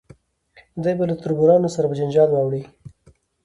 دی به له تربورانو سره په جنجال واړوي.